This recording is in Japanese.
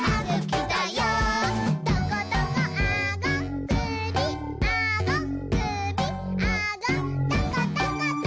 「トコトコあごくびあごくびあごトコトコト」